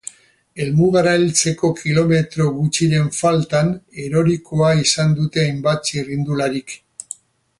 Helmugara heltzeko kilometro gutxiren faltan erorikoa izan dute hainbat txirrindularik.